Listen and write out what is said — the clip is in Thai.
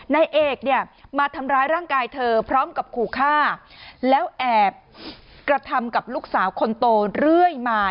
นายเอกเนี่ยมาทำร้ายร่างกายเธอพร้อมกับขู่ฆ่าแล้วแอบกระทำกับลูกสาวคนโตเรื่อยมา